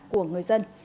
của người dân